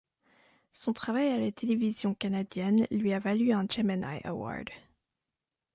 Son travail à la télévision canadienne lui a valu un Gemini Award.